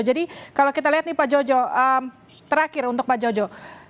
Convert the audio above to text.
jadi kalau kita lihat nih pak jojo terakhir untuk pak jojo